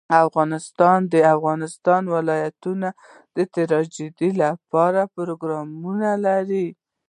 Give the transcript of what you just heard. افغانستان د د افغانستان ولايتونه د ترویج لپاره پروګرامونه لري.